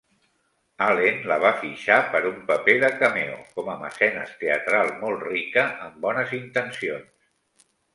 Allen la va fitxar per un paper de cameo com a mecenes teatral molt rica amb bones intencions.